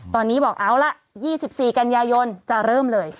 ตอนนี้บอกเอาละ๒๔กันยายนจะเริ่มเลย